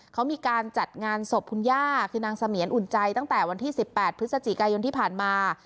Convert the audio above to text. เขามีการจัดงานศพคุณย่าคือนางเสมียนอุ่นใจตั้งแต่วันที่๑๘พฤศจิกายนที่ผ่านมา